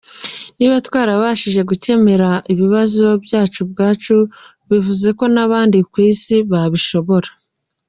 Niba twarabashije gukemura ibibazo byacu ubwacu, bivuze ko n’abandi ku Isi babishobora.